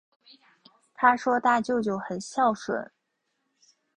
她说大舅舅很孝顺